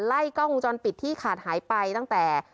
ไล่กล้องวงจรปิดที่ขาดหายไปตั้งแต่